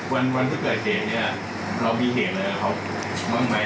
วันที่เกิดเหตุเนี่ยเรามีเหตุอะไรกับเขาบ้างไหม